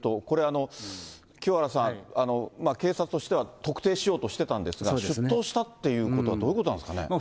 これ、清原さん、警察としては特定しようとしてたんですが、出頭したということはどういうことですかね。